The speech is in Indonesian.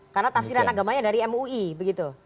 karena tafsiran agamanya dari mui begitu